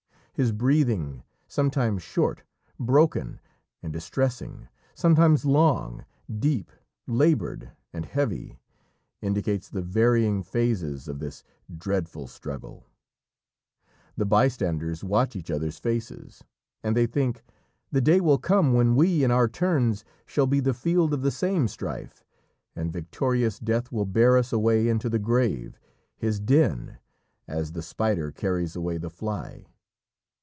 His breathing, sometimes short, broken, and distressing, sometimes long, deep, laboured, and heavy, indicates the varying phases of this dreadful struggle. The bystanders watch each other's faces, and they think, "The day will come when we in our turns shall be the field of the same strife, and victorious Death will bear us away into the grave, his den, as the spider carries away the fly."